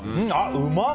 うまっ！